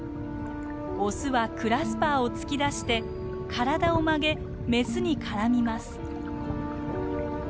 オスはクラスパーを突き出して体を曲げメスに絡みます。